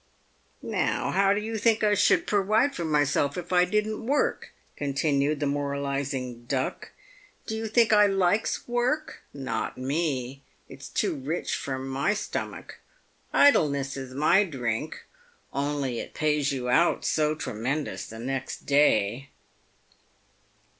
"Now, how do you think I should perwide for myself if I didn't work ?" continued the moralising Duck. " Do you think I likes work ? Not me. It's too rich for my stomick ; idleness is my drink, only it pays you out so tremendous the next day."